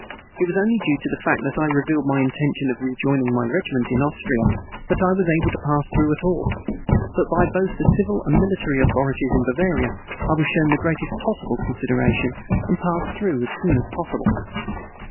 It was only due to the fact that I revealed my intention of rejoining my regiment in Austria that I was able to pass through at all, but by both the civil and military authorities in Bavaria I was shown the greatest possible consideration and passed through as soon as possible.